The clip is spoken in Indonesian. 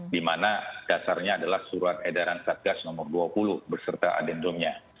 di mana dasarnya adalah surat edaran satgas nomor dua puluh berserta adendomnya